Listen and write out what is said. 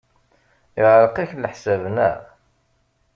Yeɛreq-ak leḥsab, naɣ?